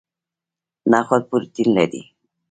نخود پروتین لري